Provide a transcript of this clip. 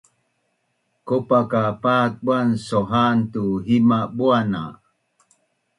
Kopa ka pat buan soha’an tu hima buan na